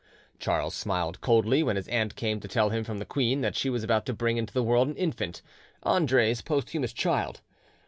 Charles smiled coldly when his aunt came to tell him from the queen that she was about to bring into the world an infant, Andre's posthumous child.